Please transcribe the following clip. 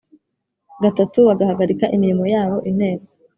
gatatu bagahagarika imirimo yabo Inteko